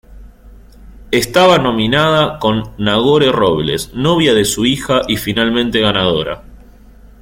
Estaba nominada con Nagore Robles, novia de su hija, y finalmente ganadora.